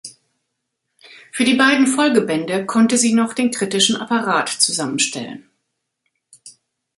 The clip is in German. Für die beiden Folgebände konnte sie noch den kritischen Apparat zusammenstellen.